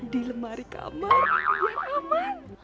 di lemari kamar